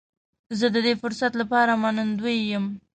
زه د دې فرصت لپاره منندوی یم.